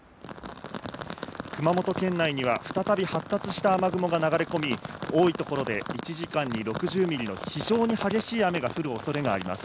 熊本県内には再び発達した雨雲が流れ込み、多い所で１時間に６０ミリの非常に激しい雨が降るおそれがあります。